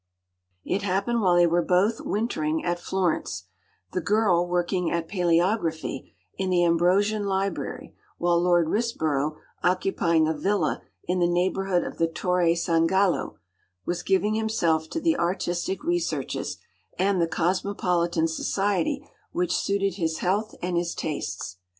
It happened while they were both wintering at Florence, the girl working at paleography, in the Ambrosian Library, while Lord Risborough, occupying a villa in the neighbourhood of the Torre San Gallo, was giving himself to the artistic researches and the cosmopolitan society which suited his health and his tastes.